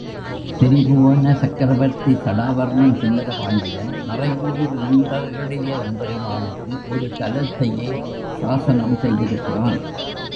திரிபுவன சக்கரவர்த்தி சடாவர்மன் சுந்தரபாண்டியன் நறையூரில் நின்றருளிய எம்பெருமானுக்கு ஒரு தலத்தையே சாஸனம் செய்திருக்கிறான்.